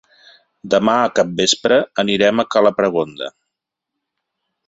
Demà a capvespre anirem a cala Pregonda.